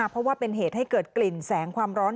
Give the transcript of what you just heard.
เพราะว่าเป็นเหตุให้เกิดกลิ่นแสงความร้อน